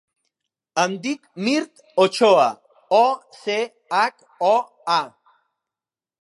Em dic Mirt Ochoa: o, ce, hac, o, a.